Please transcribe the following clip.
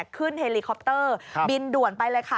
เฮลิคอปเตอร์บินด่วนไปเลยค่ะ